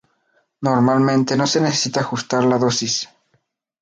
Normalmente, no se necesita ajustar la dosis.